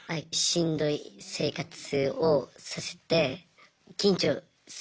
しんどい生活をさせて緊張するように。